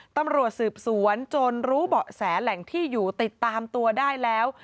ตำรวจสืบสวนจนรู้เบาะแสแหล่งที่อยู่ติดตามตัวได้แล้ว